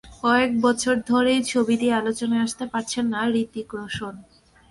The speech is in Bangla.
বেশ কয়েক বছর ধরেই ছবি দিয়ে আলোচনায় আসতে পারছেন না হৃতিক রোশন।